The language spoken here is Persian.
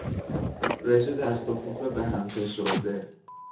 رژه در صفوف به هم فشرده